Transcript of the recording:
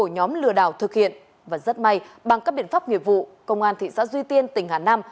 nhóm lừa đảo thực hiện và rất may bằng các biện pháp nghiệp vụ công an thị xã duy tiên tỉnh hà nam